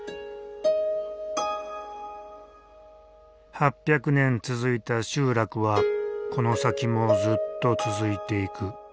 ８００年続いた集落はこの先もずっと続いていく。